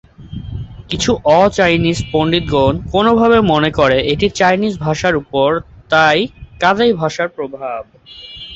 কিছু অ-চাইনিজ পণ্ডিতগণ, কোনভাবে, মনে করে এটি চাইনিজ ভাষার উপর তাই-কাদাই ভাষার প্রভাব।